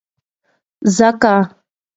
ځکه